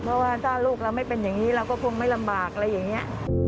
เพราะว่าถ้าลูกเราไม่เป็นอย่างนี้เราก็คงไม่ลำบากอะไรอย่างนี้